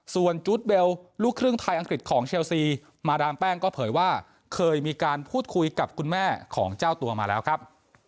ส่วนจู๊ดเวลลูกครึ่งไทยอังกฤษของเชลซีมาดามแป้งก็เผยว่าเคยมีการพูดคุยกับคุณแม่ของเจ้าตัวมาแล้วครับ